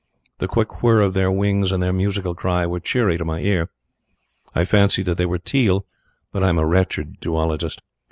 The quick whir of their wings and their musical cry were cheery to my ear. I fancy that they were teal, but I am a wretched zoologist.